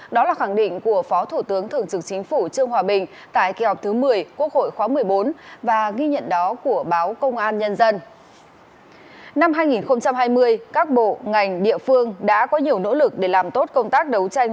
đó là khẳng định của phó thủ tướng thường trực chính phủ trương hòa bình tại kỳ họp thứ một mươi quốc hội khóa một mươi bốn và ghi nhận đó của báo công an nhân dân